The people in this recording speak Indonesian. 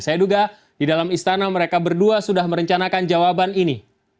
saya duga di dalam istana mereka berdua sudah merencanakan jawaban ini